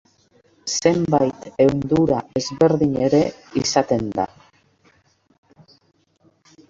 Zenbait ehundura ezberdin ere izaten da.